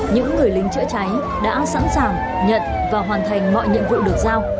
những người lính chữa cháy đã sẵn sàng nhận và hoàn thành mọi nhiệm vụ được giao